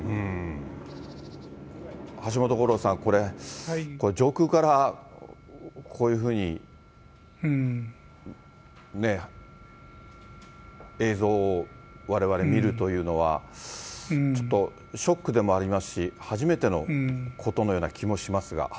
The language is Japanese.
橋本五郎さん、これ、上空からこういうふうに映像をわれわれ見るというのは、ちょっとショックでもありますし、初めてのことのような気もしますが。